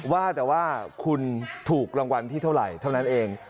ว่าแต่ว่าคุณถูกรางวัลที่เท่าไหร่เท่านั้นเอง